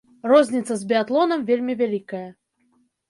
Розніца з біятлонам вельмі вялікая.